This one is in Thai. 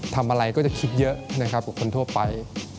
ทำอะไรก็จะคิดเยอะนะครับว่าคนโทรภไป